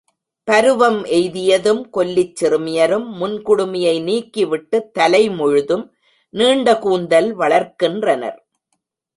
பருவம் எய்தியதும் கொல்லிச் சிறுமியரும் முன் குடுமியை நீக்கிவிட்டுத் தலை முழுதும் நீண்ட கூந்தல் வளர்க்கின்றனர்.